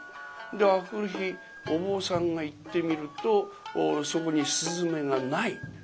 で明くる日お坊さんが行ってみるとそこに雀がない。